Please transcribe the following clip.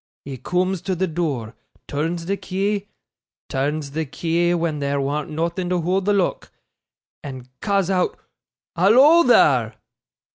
He cooms to the door, turns the key turns the key when there warn't nothing to hoold the lock and ca's oot "Hallo, there!"